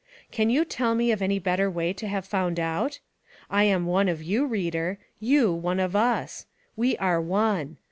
Can you tell me of any better way to have found out? I am one of you, reader; you, one of us. We are ONE.